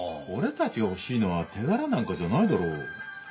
俺たちが欲しいのは手柄なんかじゃないだろう。